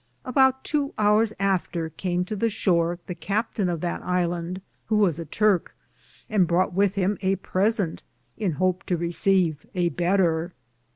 About tow houres after came to the shore the captaine of that ilande, who was a Turke, and broughte with him a presente, in hope to recave a better.